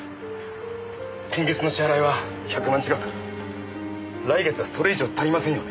今月の支払いは１００万近く来月はそれ以上足りませんよね。